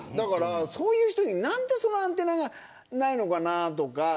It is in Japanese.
そういう人になんでアンテナがないのかなと。